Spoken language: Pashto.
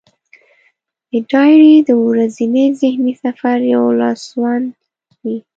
دا ډایري د ورځني ذهني سفر یو لاسوند وي.